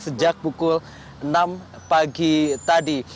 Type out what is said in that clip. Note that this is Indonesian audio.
sejak pukul enam pagi tadi